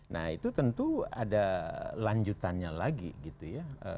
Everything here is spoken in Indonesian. nah itu tentu ada lanjutannya lagi gitu ya